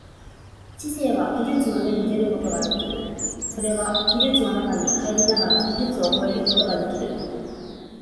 知性は技術の上に出ることができる、それは技術の中に入りながら技術を超えることができる。